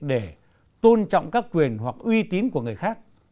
để tôn trọng các quyền hoặc uy tín của người khác